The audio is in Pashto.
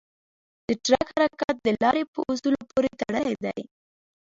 د ټرک حرکت د لارې په اصولو پورې تړلی دی.